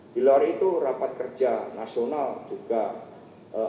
di luar itu rapat kerja nasional juga